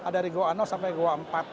dari goa sampai goa empat